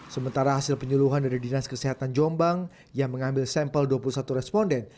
sementara hasil penyuluhan dari dinas kesehatan jombang yang mengambil sampel dua puluh satu responden